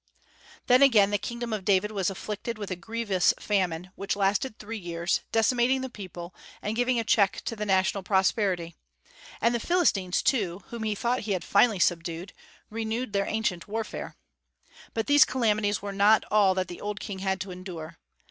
Then again the kingdom of David was afflicted with a grievous famine, which lasted three years, decimating the people, and giving a check to the national prosperity; and the Philistines, too, whom he thought he had finally subdued, renewed their ancient warfare. But these calamities were not all that the old king had to endure.